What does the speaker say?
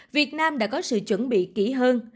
việt nam đã có sự chuẩn bị kỹ hơn